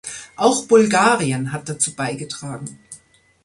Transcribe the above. Auch Bulgarien hat dazu beigetragen.